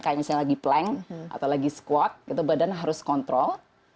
kayak misalnya lagi plank atau lagi squad gitu badan harus kontrol